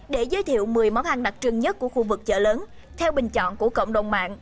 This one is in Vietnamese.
để giới thiệu một mươi món ăn đặc trưng nhất của khu vực chợ lớn theo bình chọn của cộng đồng mạng